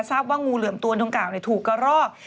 ทราบว่างูเหลือมตัวดังกล่าวถูกกระรอก